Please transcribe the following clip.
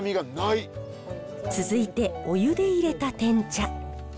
続いてお湯でいれたてん茶。